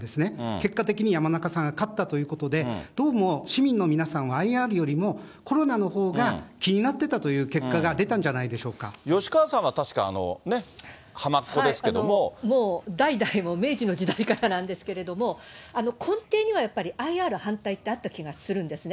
結果的に山中さんが勝ったということで、どうも市民の皆さんは、ＩＲよりもコロナのほうが気になってたという結果が出たんじゃな吉川さんは確かね、もう代々、明治の時代からなんですけど、根底にはやっぱりＩＲ反対ってあった気がするんですね。